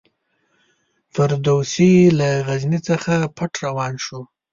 فردوسي له غزني څخه پټ روان شو.